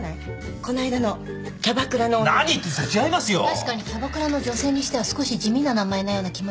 確かにキャバクラの女性にしては少し地味な名前のような気もいたしますが。